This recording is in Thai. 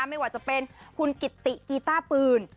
ไม่ว่าจะเป็นคุณกิตติกีต้าปืน